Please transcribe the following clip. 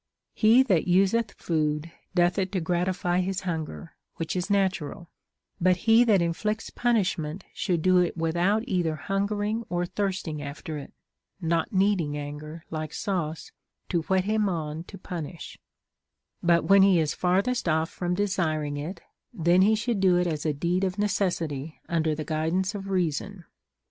He that useth food doth it to gratify his hunger, which is natural ; but he that inflicts punishment should do it without either hungering or thirsting after it, not needing anger, like sauce, to whet him on to punish ; but when he is farthest off from desiring it, then he should do it as a deed of necessity under the guidance of reason.